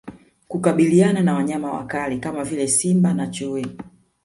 Kukabiliana na Wanyama wakali kama vile Simba na Chui